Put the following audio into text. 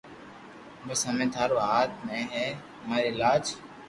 بس ھمي ٽارو ھاٿ مي ھي امري لاج